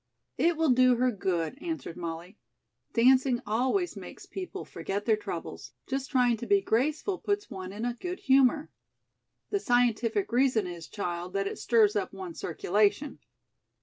"It will do her good," answered Molly. "Dancing always makes people forget their troubles. Just trying to be graceful puts one in a good humor." "The scientific reason is, child, that it stirs up one's circulation."